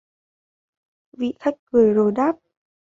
Vị Khách cười rồi đáp